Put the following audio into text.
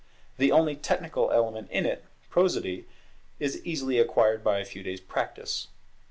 The only technical element in it, prosody, is easily acquired by a few days' practice.